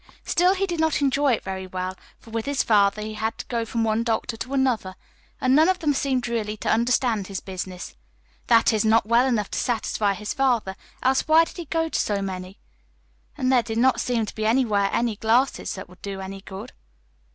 Still, he did not enjoy it very well, for with his father he had to go from one doctor to another, and none of them seemed really to understand his business that is, not well enough to satisfy his father, else why did he go to so many? And there did not seem to be anywhere any glasses that would do any good.